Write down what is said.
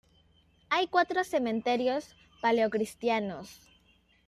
Hay cuatro cementerios paleocristianos.